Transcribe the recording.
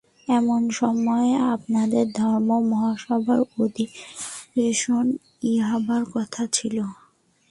এমনি সময় আপনাদের ধর্ম-মহাসভার অধিবেশন হইবার কথা ছিল।